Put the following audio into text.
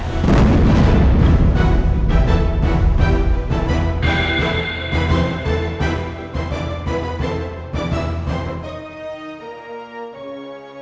terima kasih ya pak andre ya